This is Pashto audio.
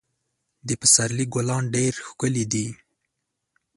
د پسرلي ګلان ډېر ښکلي دي.